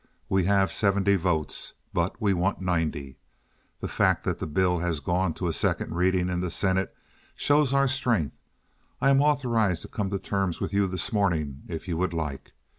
We have seventy votes, but we want ninety. The fact that the bill has gone to a second reading in the senate shows our strength. I am authorized to come to terms with you this morning if you would like.